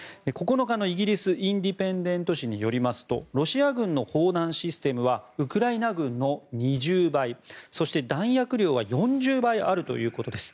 ９日のイギリスインディペンデント紙によりますとロシア軍の砲弾システムはウクライナ軍の２０倍そして弾薬量は４０倍あるということです。